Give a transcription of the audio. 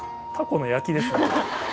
タコの焼きですね。